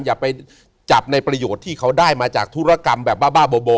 อย่าไปจับในประโยชน์ที่เขาได้มาจากธุรกรรมแบบบ้าโบ